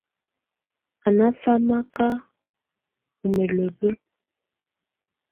Á ná famaká u mǝlǝbǝ.